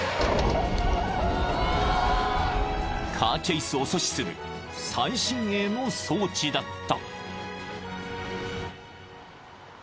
［カーチェイスを阻止する最新鋭の装置だった］